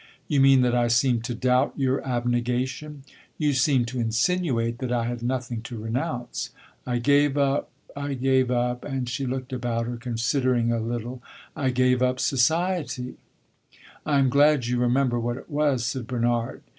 "You mean that I seem to doubt your abnegation?" "You seem to insinuate that I had nothing to renounce. I gave up I gave up " and she looked about her, considering a little "I gave up society." "I am glad you remember what it was," said Bernard.